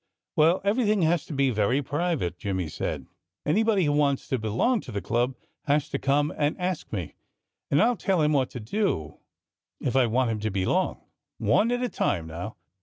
"Well, everything has to be very private," Jimmy said. "Anybody who wants to belong to the club has to come and ask me. And I'll tell him what to do, if I want him to belong.... One at a time, now!